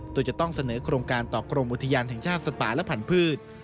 โดยจะต้องเสนอโครงการต่อกรมอุทยานแห่งชาติสัตว์ป่าและพันธุ์